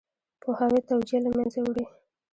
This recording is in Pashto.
پوهاوی توجیه له منځه وړي.